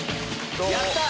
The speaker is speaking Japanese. やった！